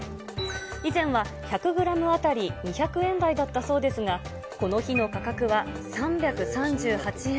以前は１００グラム当たり２００円台だったそうですが、この日の価格は３３８円。